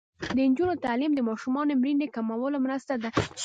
د نجونو تعلیم د ماشومانو مړینې کمولو مرسته ده.